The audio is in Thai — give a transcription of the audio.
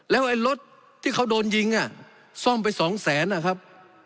แล้วไอ้รถที่เขาโดนยิงซ่อมไปสองแสนนะครับ